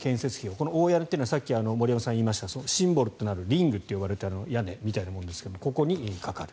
この大屋根というのはさっき森山さんが言いましたシンボルとなるリングという屋根みたいなものですがここにかかる。